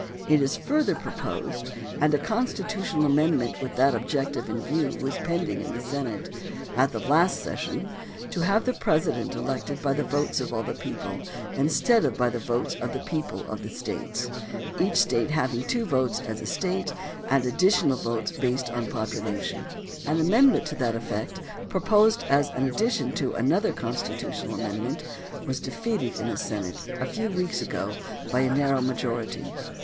It is further proposed, and a constitutional amendment with that object in view was pending in the Senate at the last session, to have the President elected by the votes of all the people instead of by the votes of the people of the States, each 156 THE DEMOCRACY OF ABRAHAM LINCOLN //'li State having two votes as a State and additional votes based on population. An amendment to that effect, proposed as an addition to another constitutional amendment, was defeated in the Senate a few weeks ago by a narrow majority.